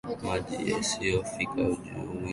Maji usiyoyafika hujui wingi wake